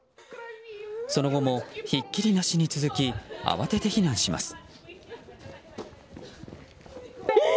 その後もひっきりなしに続き慌てて避難します。